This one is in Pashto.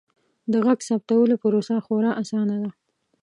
د غږ ثبتولو پروسه خورا اسانه ده.